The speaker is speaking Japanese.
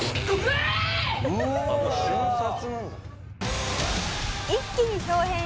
瞬殺なんだ。